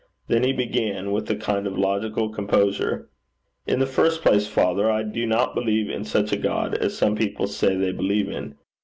Then he began, with a kind of logical composure: 'In the first place, father, I do not believe in such a God as some people say they believe in.